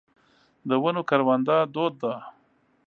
د ونو کرونده دود ده.